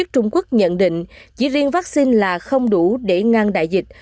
trung quốc nhận định chỉ riêng vaccine là không đủ để ngăn đại dịch